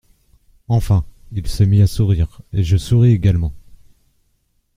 Enfin, il se mit à sourire, Et je souris également.